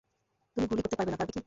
তুমি গুলি করতে পারবেনা, পারবে কি?